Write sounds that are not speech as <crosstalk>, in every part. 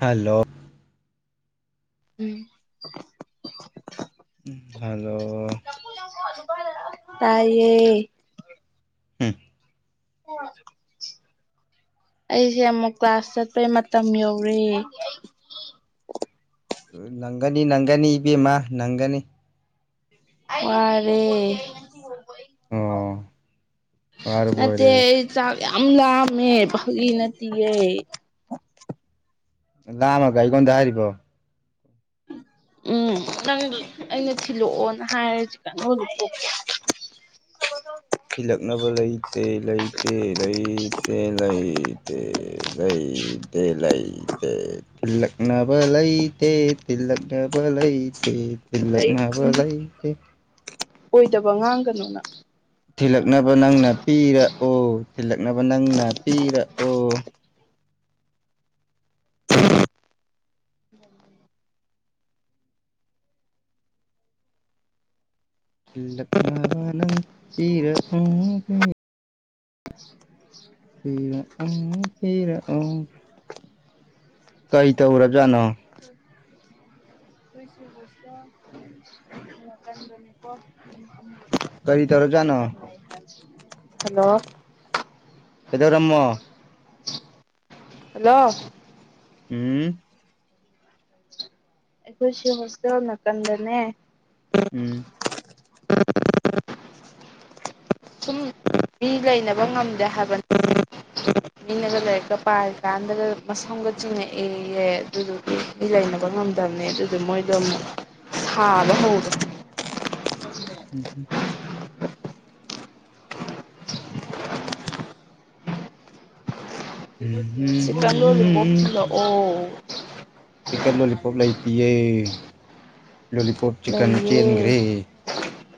hello um hello ꯇꯥꯏꯌꯦ ꯍꯝ <unintelligible> ꯑꯩꯁꯦ ꯑꯃꯨꯛ ꯀ꯭ꯂꯥꯁ ꯆꯠꯄꯩ ꯃꯇꯝ ꯌꯧꯔꯦ ꯅꯪꯒꯅꯤ ꯅꯪꯒꯅꯤ ꯏꯕꯦꯝꯃ ꯅꯪꯒꯅꯤ ꯋꯥꯔꯦ ꯑꯣ ꯋꯥꯔꯕꯨ ꯅꯠꯇꯦ ꯑꯣꯏꯔꯦ ꯑꯩ ꯆꯥꯛ ꯌꯥꯝ ꯂꯥꯝꯃꯦ ꯐꯥꯒꯤ ꯅꯠꯇꯤꯌꯦ ꯂꯥꯝꯃꯒ ꯑꯩꯉꯣꯟꯗ ꯍꯥꯏꯔꯤꯕꯣ ꯎꯝ ꯅꯪ ꯑꯩꯅ ꯊꯤꯜꯂꯛꯑꯣꯅ ꯍꯥꯏꯔꯁꯤ ꯀꯩꯅꯣꯗꯣꯛ ꯊꯤꯜꯂꯛꯅꯕ ꯂꯩꯇꯦ ꯂꯩꯇꯦ ꯂꯩꯇꯦ ꯂꯩꯇꯦ ꯂꯩ ꯇꯦ ꯂꯩ ꯇꯦ ꯂꯛꯅꯕ ꯂꯩꯩ ꯇꯦ ꯊꯤꯂꯛꯅꯕ ꯂꯩꯇꯦ ꯊꯤꯜꯂꯛꯅꯕ ꯂꯩꯔꯤꯗꯨꯅꯤ ꯂꯩꯇꯦ ꯑꯣꯏꯗꯕ ꯉꯥꯡꯒꯅꯣꯅ ꯊꯤꯜꯂꯛꯅꯕ ꯅꯪꯅ ꯄꯤꯔꯛꯑꯣ ꯊꯤꯜꯂꯛꯅꯕ ꯅꯪꯅ ꯄꯤꯔꯛꯑꯣ ꯊꯤꯜꯂꯛꯅꯕ ꯅꯪ ꯄꯤꯔꯛ ꯎ ꯄꯤꯔꯛ ꯄꯤꯔꯛꯎ ꯄꯤꯔꯛꯎ ꯀꯩ ꯇꯧꯔꯖꯅꯣ <unintelligible> ꯀꯩ ꯇꯧꯔ ꯖꯅꯣ ꯍꯜꯂꯣ ꯀꯩꯗꯧꯔꯝꯃꯣ ꯍꯜꯂꯣ ꯎꯝ <inaudible> ꯑꯈꯣꯏꯁꯤ ꯍꯣꯁꯇꯦꯜ ꯃꯇꯝꯗꯅꯦ ꯎꯝ ꯁꯨꯝ ꯃꯤ ꯂꯩꯅꯕ ꯉꯝꯗꯦ ꯍꯥꯏꯕꯅꯤ ꯃꯤꯅꯒ ꯂꯥꯏꯔꯤꯛꯀ ꯄꯥꯔꯤ ꯀꯥꯟꯗꯒ ꯃꯁꯝꯒ ꯆꯤꯡꯉꯛꯑꯦꯌꯦ ꯑꯗꯨꯗꯨ ꯂꯩꯅꯕ ꯉꯝꯗꯝꯅꯦ ꯑꯗꯨꯗꯨ ꯃꯣꯏꯗꯣ ꯑꯃꯨꯛ ꯁꯥꯕ ꯍꯧꯔꯦ <unintelligible> ꯎꯝ ꯃꯥꯒꯤ <inaudible> ꯎꯝ ꯍꯝ ꯆꯤꯛꯀꯟ ꯂꯣꯂꯤꯄꯣꯞ ꯎꯝ ꯊꯤꯜꯂꯛꯑꯣ ꯎꯝ ꯆꯤꯀꯟ ꯂꯣꯂꯤꯄꯣꯞ ꯂꯩꯇꯤꯌꯦ ꯂꯣꯂꯤ ꯄꯣꯞ ꯆꯤꯀꯟ ꯂꯩꯌꯦ ꯆꯦꯟꯒ꯭ꯔꯦ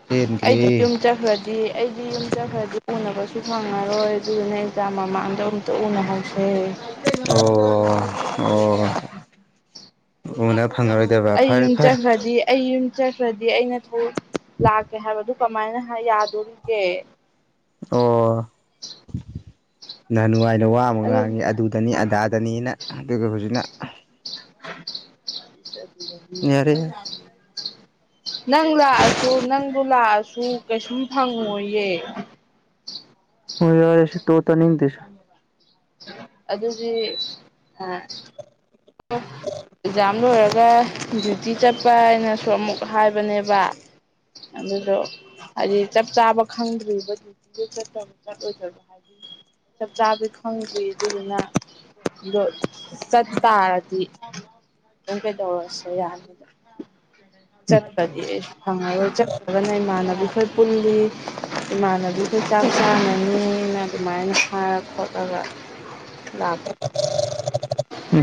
ꯆꯦꯟꯒ꯭ꯔꯦ ꯑꯩꯗꯣ ꯌꯨꯝ ꯆꯠꯈ꯭ꯔꯗꯤ ꯑꯩꯗꯤ ꯌꯨꯝ ꯆꯠꯈ꯭ꯔꯗꯤ ꯁꯣꯟꯅꯕꯁꯨ ꯐꯪꯉꯔꯣꯏ ꯑꯗꯨꯗꯨꯅ ꯑꯦꯛꯖꯥꯝ ꯃꯃꯥꯡꯗ ꯑꯃ ꯇ ꯎꯅꯍꯁꯦ ꯑꯣ ꯑꯣ ꯎꯅ ꯐꯪꯉꯔꯣꯏꯗꯕ ꯑꯩ ꯐꯔꯦ ꯌꯨꯝ ꯐꯔꯦ ꯆꯟꯈ꯭ꯔꯗꯤ ꯑꯩ ꯌꯨꯝ ꯆꯠꯈ꯭ꯔꯗꯤ ꯑꯩꯅ ꯊ ꯂꯥꯛꯀꯦ ꯍꯥꯏꯕꯗꯨ ꯀꯃꯥꯏꯅ ꯌꯥꯗꯣꯔꯤꯒꯦ ꯑꯣ ꯅ ꯅꯨꯡꯉꯥꯏꯅ ꯋꯥ ꯑꯗꯨ ꯉꯥꯡꯉꯤ ꯑꯗꯨꯗꯅꯤ ꯑꯗꯥꯗꯅꯤꯅ ꯑꯗꯨꯒ ꯍꯧꯖꯤꯛꯅ ꯌꯥꯔꯦ ꯌꯥꯔꯦ <inaudible> ꯅꯪ ꯂꯥꯛꯑꯁꯨ ꯅꯪꯕꯨ ꯂꯥꯛꯑꯁꯨ ꯀꯩꯁꯨ ꯐꯪꯉꯣꯏꯌꯦ ꯍꯣꯏ ꯌꯥꯔꯦꯁꯦ ꯇꯣ ꯇꯅꯤꯗꯁ ꯑꯗꯨꯗꯤ ꯑꯦꯛꯖꯥꯝ ꯂꯣꯏꯔꯒ ꯗ꯭ꯌꯨꯇꯤ ꯆꯠꯄ ꯍꯥꯏꯅꯁꯨ ꯑꯃꯨꯛ ꯍꯥꯏꯕꯅꯦꯕ ꯑꯗꯨꯗꯣ ꯍꯥꯏꯗꯤ ꯆꯞ ꯆꯥꯕ ꯈꯪꯗ꯭ꯔꯤꯕꯔꯤꯕꯂ ꯆꯞ ꯆꯥꯕꯤ ꯈꯪꯈꯤꯅ ꯁꯠꯇꯥ ꯑꯗꯨꯝ ꯀꯩꯗꯧꯔꯁꯦ ꯌꯥꯅꯤꯗ ꯆꯠꯄꯗꯤ ꯐꯪꯉꯔꯣꯏ ꯆꯠꯇꯂ꯭ꯔꯒꯅ ꯏꯃꯥꯟꯅꯕꯤꯈꯣꯏ ꯄꯨꯜꯂꯤ ꯏꯃꯥꯟꯅꯕꯤ ꯍ ꯆꯥꯛ ꯆꯥꯅꯅꯤꯅ ꯑꯗꯨꯃꯥꯏꯅ ꯍꯥꯏꯔ ꯈꯣꯠꯂꯒ ꯂꯥꯛꯄ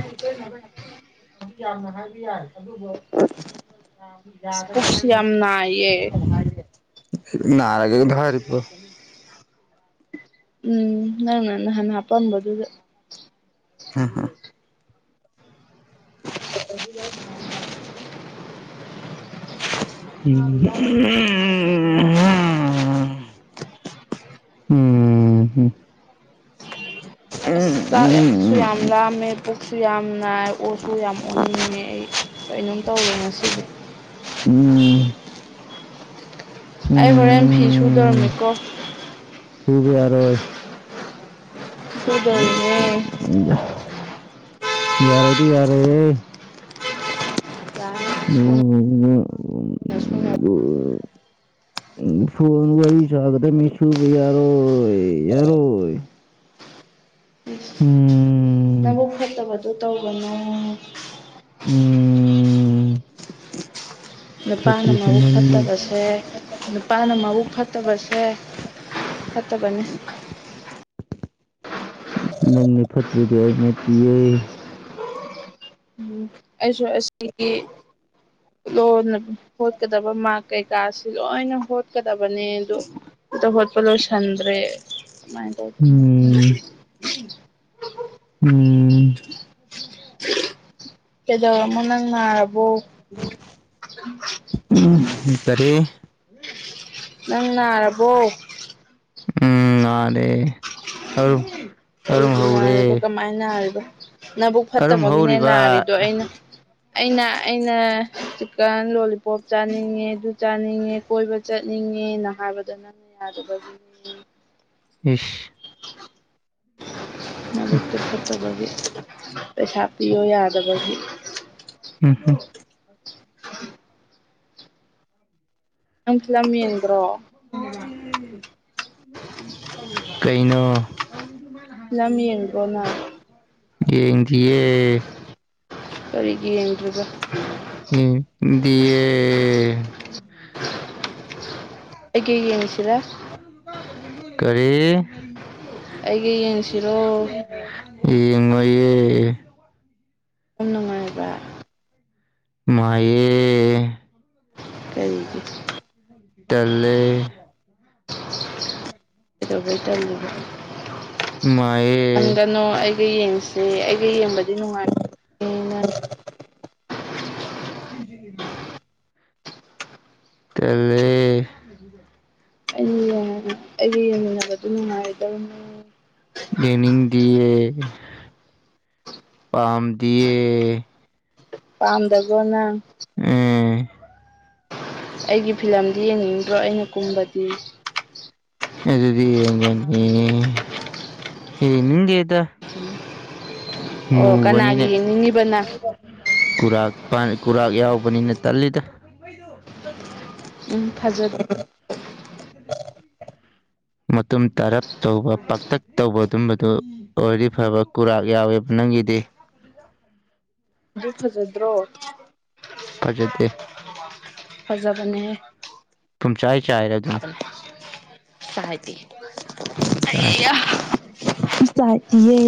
ꯑꯩꯇꯩ ꯉ ꯉ ꯄꯥꯗꯤ ꯌꯥꯝꯅ ꯍꯥꯏꯕ ꯌꯥꯏ ꯑꯗꯨꯕꯨ ꯑꯁ ꯌꯥꯗꯦ ꯄꯨꯛꯁꯤ ꯌꯥꯝ ꯅꯥꯏꯌꯦ ꯅꯔꯒ ꯊꯔꯤꯔꯤꯕꯣ ꯎꯝ ꯅꯪꯅ ꯅꯍꯥꯟ ꯍꯥꯄꯝꯕꯗꯨꯗ ꯍ ꯍ ꯍꯂ ꯎ ꯎꯝꯝ ꯁꯌꯥꯝꯂꯥ ꯑꯃ ꯑꯣꯛꯁꯨ ꯌꯥꯝ ꯅꯥꯏ ꯑꯣꯁꯨ ꯌꯥꯝ ꯑꯣꯅꯤꯡꯉꯦ ꯑꯩ ꯀꯩꯅꯣꯝ ꯇꯧꯔꯦ ꯉꯁꯤꯗꯤ ꯎꯝ ꯑꯩ ꯍꯣꯔꯦꯟ ꯐꯤ ꯁꯨꯗꯧꯔꯝꯃꯤꯀꯣ ꯈꯕꯤ ꯌꯥꯔꯣꯏ ꯗꯏꯅꯦ ꯖ ꯌꯥꯔꯦꯗꯤ ꯌꯥꯔꯦ ꯁꯨꯅ ꯑꯣ <inaudible> ꯑꯗꯨ ꯎ ꯐꯣꯟ ꯋꯥꯔꯤ ꯁꯥꯒꯗꯕꯃꯤ ꯁꯨꯕ ꯌꯥꯔꯣꯏ ꯌꯥꯔꯣꯏ ꯎꯝ ꯅꯕꯨ ꯐꯠꯇꯕꯗꯨ ꯇꯧꯕꯅꯣ ꯎꯝ ꯅꯨꯄꯥꯅ ꯐꯠꯇ꯭ꯔꯤꯁꯤ ꯃꯔꯨꯨꯞ ꯅꯪꯅꯤ ꯐꯠꯇꯕꯁꯦ ꯅꯨꯄꯥꯅ ꯃꯕꯨ ꯐꯠꯇꯕꯁꯦ ꯐꯠꯇꯕꯅꯤ ꯅꯪꯅꯦ ꯐꯠꯇ꯭ꯔꯤꯗꯤ ꯑꯩꯅꯠꯇꯤꯌꯦ ꯎꯝ ꯑꯩꯁꯨ ꯑꯁꯤ ꯂꯣꯟ ꯍꯣꯠꯀꯗꯕ ꯃꯥꯔ ꯀꯩꯀꯥꯁꯤ ꯂꯣꯏꯅ ꯍꯣꯠꯀꯗꯕꯅꯦ ꯑꯗꯣ ꯇꯒꯣꯄꯂꯣ ꯆꯟ꯭ꯔꯦꯃꯥꯏ ꯇ ꯎꯝ ꯎꯝ ꯀꯩꯗꯧ ꯑꯃ ꯅꯪꯔꯔꯕꯣ ꯇꯔꯦ ꯅꯪ ꯅꯥꯔꯕꯣ ꯎꯝ ꯑꯗꯦꯔ ꯑꯩꯒꯤ ꯅꯥꯔꯗꯣ ꯀꯃꯥꯏꯅ ꯅꯥꯔꯤꯗꯣ ꯅꯕꯨꯛ ꯑꯔꯨꯝ ꯐꯠꯇꯕꯒꯤꯅꯦ ꯍꯧꯔꯤꯕ ꯅꯥꯔꯤꯗꯣ ꯑꯩꯅ ꯑꯩꯅ ꯑꯩꯅ ꯆꯤꯛꯀꯟ ꯂꯣꯂꯤꯄꯣꯞ ꯆꯥꯅꯤꯡꯉꯦ ꯑꯗꯨ ꯆꯥꯅꯤꯡꯉꯦ ꯀꯣꯏꯕ ꯆꯠꯅꯤꯡꯉꯦꯅ ꯍꯥꯏꯕꯗ ꯅꯪꯅ ꯌꯥꯗꯕꯒꯤ ꯏꯁ ꯃꯗꯨꯛꯇꯨ ꯐꯠꯇꯕꯒꯤ ꯄꯩꯁꯥ ꯄꯤꯌꯣ ꯌꯥꯗꯕꯒꯤ ꯎꯝ ꯍꯝ ꯅꯪ ꯤꯂꯝ ꯌꯦꯦꯟꯗ꯭ꯔꯣ ꯀꯩꯅꯣ ꯂꯝ ꯌꯦꯡꯕꯣꯅ ꯌꯦꯡꯒꯤꯦ ꯀꯔꯤꯒꯤ ꯌꯦꯡꯗ꯭ꯔꯤꯕ ꯎ ꯗꯌꯦ <inaudible> ꯑꯩꯒꯤꯩ ꯌꯦꯡꯉꯤꯁꯤꯔ ꯀꯔꯤ ꯑꯩꯒꯤ ꯌꯦꯡꯁꯤꯔꯣ ꯌꯦꯉꯣꯏꯦ ꯌꯥꯝ ꯅꯨꯡꯉꯥꯏꯕ ꯃꯥꯌꯦ ꯀꯔꯤꯗꯤ ꯇꯂꯦ ꯀꯩꯗꯧꯕꯩ ꯇꯜꯂꯤꯕ ꯃꯥꯌꯦ ꯀꯩꯅꯣ ꯑꯩꯒ ꯌꯦꯡꯁꯤꯦ ꯑꯩꯒ ꯌꯦꯡꯕꯗꯤ ꯅꯨꯡꯉꯥꯏ <inaudible> ꯇꯂ ꯑꯩꯅ ꯑꯩꯒ ꯌꯦꯡꯃꯤꯟꯅꯕꯗꯨ ꯅꯨꯡꯉꯥꯏꯗꯕꯅꯤ ꯌꯦꯡꯅꯤꯡꯗꯤꯌꯦ ꯄꯥꯝꯗꯤꯌꯦ ꯄꯥꯝꯗꯒꯣꯅ ꯑꯦ ꯑꯩꯒꯤ ꯐꯤꯂꯝꯗꯤ ꯌꯦꯡꯅꯤꯡꯗ꯭ꯔꯣ ꯑꯩꯅ ꯀꯨꯝꯕꯗꯤ ꯑꯗꯨꯗꯤ ꯌꯦꯖꯅꯤ ꯅꯤꯡꯦ ꯑꯗ <inaudible> ꯃꯨꯕꯅꯤꯅ ꯀꯅꯥꯒꯤ ꯌꯦꯡꯅꯤꯡꯉꯤꯕ ꯅꯪ ꯀꯨꯔꯥꯛ ꯀꯨꯔꯥꯛ ꯌꯥꯎꯕꯅꯤꯅ ꯇꯜꯂꯤꯗ ꯣꯏꯗꯨ ꯎꯝ ꯐꯖ ꯇ ꯃꯇꯨꯝ ꯇꯥꯔꯞ ꯇꯧꯕ ꯄꯥꯛꯇꯛ ꯇꯧꯕ ꯑꯗꯨꯝꯕꯗꯨ ꯑꯣꯏꯗꯤ ꯐꯕ ꯀꯨꯔꯥꯛ ꯌꯥꯎꯋꯦꯕ ꯅꯪꯒꯤꯗꯤ ꯑꯗꯨ ꯐꯖꯗ꯭ꯔꯣ ꯐꯖꯗꯦ ꯑꯗꯨ ꯐꯖꯕꯅꯦ ꯄꯨꯝꯆꯥꯏ ꯆꯥꯏꯔꯦ ꯑꯗꯨꯅꯤ ꯁꯥꯥꯏ ꯆꯥꯏ ꯆꯇꯦ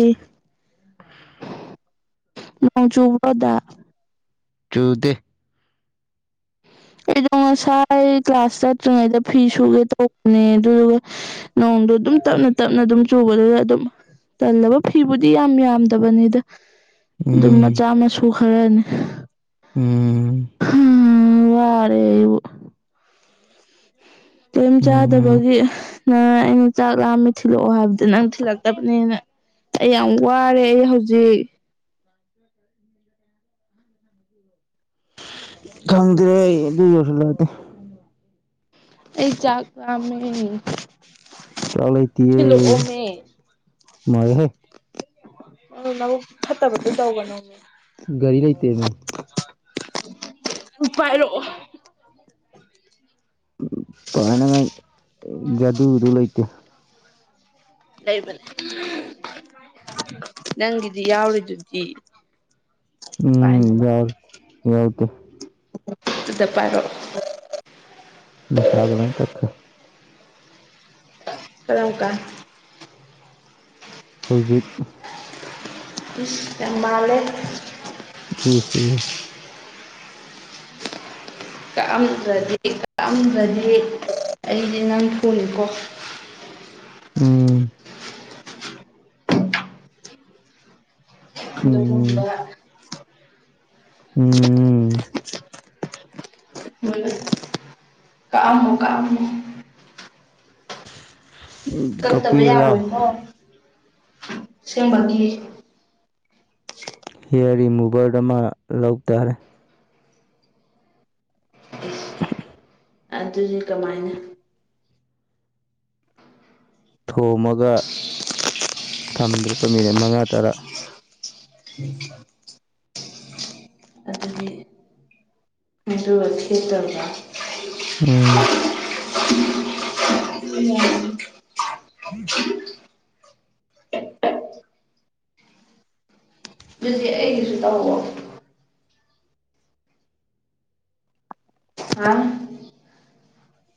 ꯅꯣꯡ ꯆꯨꯕꯗ ꯆꯨꯊꯦ ꯑꯩꯗꯣ ꯉꯁꯥꯏ ꯀ꯭ꯂꯥꯁ ꯆꯠꯇ꯭ꯔꯤꯉꯩꯗ ꯐꯤ ꯁꯨꯒꯦ ꯇꯧꯕꯅꯦ ꯑꯗꯨꯗꯨꯒ ꯅꯣꯡꯗꯣ ꯑꯗꯨꯝ ꯇꯞꯅ ꯇꯞꯅ ꯑꯗꯨꯝ ꯆꯨꯕꯗꯨꯗ ꯑꯗꯨꯝ ꯇꯜꯂꯕ ꯐꯤꯕꯨꯗꯤ ꯌꯥꯝ ꯌꯥꯝꯗꯕꯅꯤꯗ ꯑꯗꯨꯝ ꯎꯝ ꯃꯆꯥ ꯃꯁꯨ ꯈꯔꯅꯤ ꯎꯝ ꯎꯝ ꯋꯥꯔꯦ ꯏ ꯑꯗꯨ ꯀꯦꯝ ꯆꯥꯗꯕꯒꯤ ꯅꯪ ꯑꯩꯅ ꯆꯥꯛ ꯂꯥꯝꯃꯤ ꯊꯤꯜꯂꯛꯑꯣ ꯍꯥꯏꯕꯗꯤ ꯅꯪ ꯊꯤꯜꯂꯛꯇꯕꯅꯦꯅ ꯑꯩ ꯌꯥꯝ ꯋꯥꯔꯦ ꯑꯩ ꯍꯧꯖꯤꯛ <inaudible> ꯈꯪꯗ꯭ꯔꯦ ꯑꯩ ꯑꯗꯨ ꯌꯧꯁꯨꯜꯂꯗꯦ ꯑꯩ ꯆꯥꯛꯒꯝ ꯇꯂ ꯇꯌꯦ ꯃꯣꯏ ꯍꯦ ꯑꯣꯅꯕꯨ ꯐꯠꯇ ꯈꯠꯇ ꯇꯧꯒꯅ ꯒꯥꯔꯤ ꯂꯩꯇ ꯃ ꯎꯄꯔꯣ ꯄꯅ ꯃ ꯗꯨꯗ ꯂꯩꯇꯦ ꯂꯩꯕꯅꯦ ꯅꯪꯒꯤꯗꯤ ꯌꯥꯎꯔꯤꯗꯨꯗꯤ ꯎꯝ ꯄꯥꯏꯅꯕꯗ ꯌꯥꯎꯔꯦ ꯌꯥꯎꯗꯦ ꯄꯥꯏꯔꯣ ꯃꯁꯥꯒ ꯂꯪ ꯀꯈ ꯀꯔ ꯀ ꯍꯧꯖꯤꯛ ꯃꯥ ꯂꯩꯦ ꯁꯤ ꯀꯛꯑꯝꯗ꯭ꯔꯗꯤ ꯀꯛꯑꯝꯗ꯭ꯔꯗꯤ ꯑꯩꯗꯤ ꯅꯪ ꯊꯣꯡꯉꯀꯣ ꯎꯝ ꯑꯗꯨꯒꯨꯝꯕ ꯎꯝꯝ ꯣ ꯀꯥꯝ ꯀꯥꯝ ꯀꯛꯇꯕ ꯀꯛꯄꯤꯔꯂꯥꯎ ꯌꯥꯔꯣꯏꯀꯣ ꯁꯦꯝꯕꯒꯤ ꯍꯤꯌꯔ ꯔꯤꯃꯨꯚꯔ ꯑꯃ ꯂꯧꯇꯥꯔꯦ ꯑꯗꯨꯗꯤ ꯀꯃꯥꯏꯅ ꯊꯣꯝꯃꯒ ꯊꯝꯗ꯭ꯔꯨꯄ ꯃꯤꯅꯤꯠ ꯃꯉꯥ ꯇꯔꯥ ꯊ ꯑꯗꯨꯗꯤ ꯑꯗꯨꯒ ꯈꯦꯠꯇꯕ ꯎꯝ ꯎ ꯎꯝ ꯑꯗꯨꯗꯤ ꯑꯩꯒꯤꯁꯨ ꯇꯧꯔꯛꯑꯣ ꯑ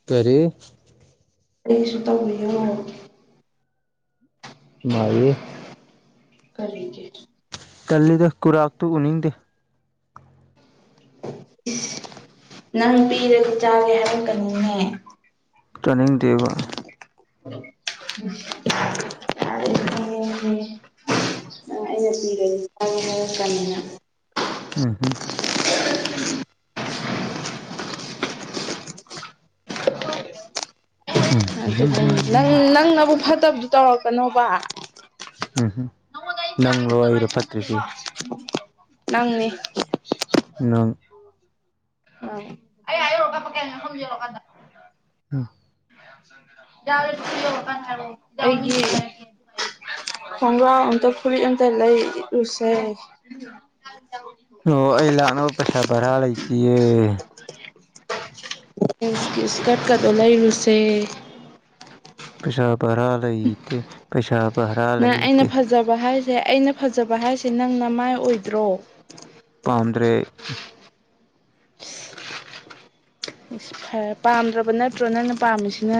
ꯀꯔꯤ ꯀꯔꯤꯁꯨ ꯇꯧꯕꯤꯌꯣ ꯃꯥꯑꯌꯦ ꯈꯔꯤꯒꯦ ꯇꯂꯜꯂꯤꯗ ꯈꯨꯔꯥꯛꯇꯨ ꯎꯅꯤꯡꯦ ꯅꯪ ꯄꯤꯔꯗꯤ ꯆꯥꯒꯦ ꯍꯥꯏꯔꯛꯀꯅꯤꯅꯦ ꯇꯔꯅꯤꯡ ꯇꯦꯕꯜ ꯎꯝ ꯑꯩꯅ ꯄꯤꯔꯁꯤꯀꯅꯤꯅ ꯎꯝ ꯍꯝ ꯎꯝ ꯑꯗꯨ ꯅꯪ ꯎꯝ ꯅꯪꯅꯕꯨ ꯐꯠꯇꯕꯗꯨ ꯇꯧꯔꯛꯀꯅꯣꯕ ꯎꯝꯝ ꯅꯪꯂꯣ ꯑꯩꯔꯣ ꯐꯠꯇ꯭ꯔꯤꯁꯤ ꯅꯪꯅꯤ ꯅꯪ ꯑꯩ ꯑ ꯔꯣꯀ ꯄꯀꯖꯦꯔꯣꯀꯥꯗ ꯎꯝ ꯌꯥꯔ‌ꯣꯏ ꯁꯤ ꯇꯧꯔꯀꯟꯗ ꯍꯥꯏꯔꯛꯑ‌ꯣ ꯑꯩꯒꯤ ꯈꯣꯡꯒ꯭ꯔꯥꯎ ꯑꯃꯇ ꯐꯨꯔꯤꯠ ꯑꯃꯇ ꯂꯩꯔꯨꯁꯦ ꯑꯣ ꯑꯩ ꯂꯥꯛꯅꯕ ꯄꯩꯁꯥ ꯚꯔꯥ ꯂꯩꯇꯌꯦ <unintelligible> ꯏꯁꯀꯥꯠ ꯀꯗꯨ ꯂꯩꯔꯨꯁꯦ ꯄꯩꯁꯥ ꯕꯔꯥ ꯂꯩꯇ ꯄꯩꯁꯥ ꯕꯔꯥ ꯅꯪ ꯑꯩꯅ ꯂꯩꯇ ꯐꯖꯕ ꯍꯥꯏꯁꯦ ꯑꯩꯅ ꯐꯖꯕ ꯍꯥꯏꯁꯦ ꯅꯪꯅ ꯃꯥꯏ ꯑꯣꯏꯗ꯭ꯔꯣ ꯄꯥꯝꯗ꯭ꯔꯦ ꯐ꯭ꯔ‌ꯦ ꯄꯥꯝꯗ꯭ꯔꯕ ꯅꯠꯇ꯭ꯔꯣ ꯅꯪꯅ ꯄꯥꯝꯃꯤꯁꯤꯅ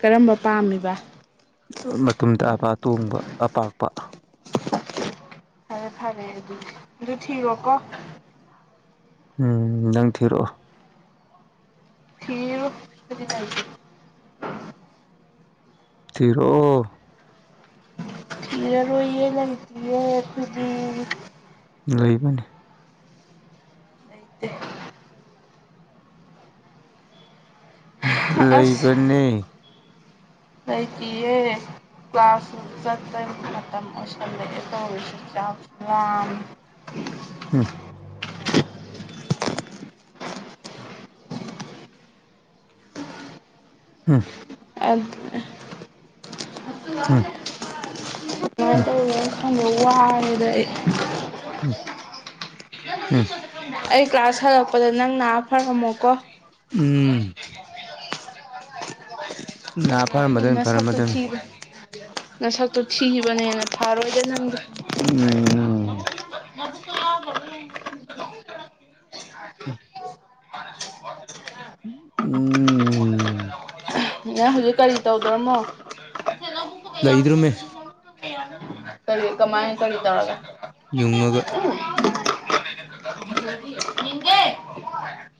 ꯀꯔꯝꯕ ꯄꯥꯝꯃꯤꯕ ꯃꯇꯨꯝ ꯇꯥꯕ ꯑꯇꯣꯡꯕ ꯑꯄꯥꯛꯄ ꯐꯔꯦ ꯐꯔꯦ ꯑꯗꯨꯗꯤ ꯑꯗꯨ ꯊꯔꯣꯀꯣ ꯎꯝ ꯅꯪ ꯊꯤꯔꯛꯑꯣ ꯊꯤꯔꯨ ꯑꯩꯈꯧꯏꯗꯤ ꯂꯩꯇ‌ꯦ ꯊꯤꯔꯣ ꯊꯤꯔꯔ‌ꯣꯏꯌ‍ꯦ ꯂꯩꯇꯤꯌ‌ꯦ ꯑꯩꯈꯧꯏꯗꯤ ꯂꯩꯕꯅꯤ ꯂꯩꯇ‌ꯦ ꯂꯩꯕꯅꯤ ꯂꯩꯇꯤꯌ‌ꯦ ꯀ꯭ꯂꯥꯁꯁꯨ ꯆꯠꯄꯒꯤ ꯃꯇꯝ ꯑꯣꯏꯁꯜꯂꯛꯑꯦ ꯇꯧꯔꯤꯁꯨ ꯆꯥꯛꯁꯨ ꯂꯥꯝꯃ‌ꯦ ꯎꯝ ꯎꯝ ꯎꯝ ꯎꯝ <unintelligible> ꯈꯪꯗ‌ꯦ ꯋꯥꯔ‌ꯦꯗ ꯑꯩ ꯎꯝ ꯎꯝ ꯑꯩ ꯀ꯭ꯂꯥꯁ ꯍꯜꯂꯛꯄꯗ ꯅꯪ ꯅꯥ ꯐꯔꯝꯃꯣꯀꯣ ꯎꯝ ꯅꯥ ꯎꯝ ꯐꯔꯝꯃꯗꯕꯅꯤ ꯅꯁꯛꯇꯨ ꯐꯔꯝꯃꯗꯕꯅꯤ ꯊꯤꯕ ꯅꯁꯛꯇꯨ ꯊꯤꯕꯅꯤꯅ ꯐꯥꯔꯣꯏꯗ ꯅꯪꯗꯤ ꯎꯝꯝ <unintelligible> <unintelligible> ꯎꯝ ꯅꯪ ꯍꯧꯖꯤꯛ ꯀꯔꯤ ꯇꯧꯗ꯭ꯔꯃꯣ ꯂꯩꯗ꯭ꯔꯨꯃꯦ ꯀꯔꯤ ꯀꯃꯥꯏ ꯀꯔꯤ ꯇꯧꯔꯒ ꯌꯨꯡꯉꯒ <unintelligible>